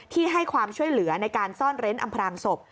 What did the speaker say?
ที่ให้ความช่วยเหลือในการซ่อนเร้นอำพลางศพ